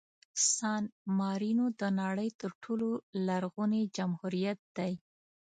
سان مارینو د نړۍ تر ټولو لرغوني جمهوریت دی.